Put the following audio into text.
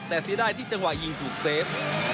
แต่เสียดายที่จังหวะยิงถูกเซฟ